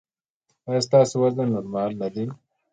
ایا ستاسو وزن نورمال نه دی؟